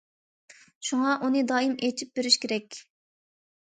شۇڭا ئۇنى دائىم ئىچىپ بېرىش كېرەك.